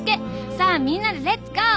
さあみんなでレッツゴー！